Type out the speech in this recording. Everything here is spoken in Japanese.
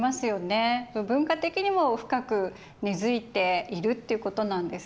文化的にも深く根づいているっていうことなんですね。